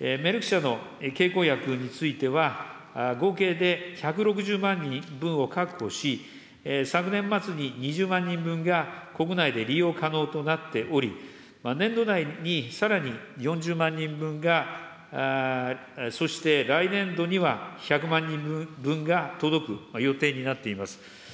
メルク社の経口薬については、合計で１６０万人分を確保し、昨年末に２０万人分が国内で利用可能となっており、年度内にさらに４０万人分が、そして、来年度には１００万人分が届く予定になっています。